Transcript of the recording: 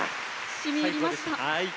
しみいりました。